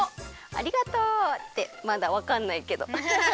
ありがとう！ってまだわかんないけど。